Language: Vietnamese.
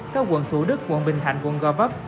các quận thủ đức quận bình thạnh quận gò vấp